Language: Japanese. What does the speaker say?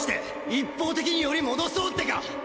一方的により戻そうってか！